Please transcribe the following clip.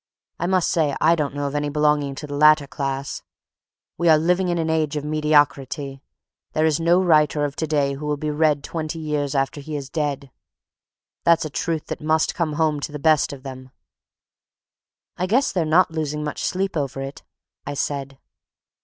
I must say I don't know of any belonging to the latter class. We are living in an age of mediocrity. There is no writer of to day who will be read twenty years after he is dead. That's a truth that must come home to the best of them." "I guess they're not losing much sleep over it," I said.